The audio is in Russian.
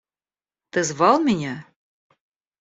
Ты звал меня?